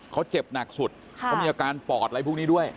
เขาเจ็บหนักสุดเขามีอาการปอดอะไรพวกนี้ด้วย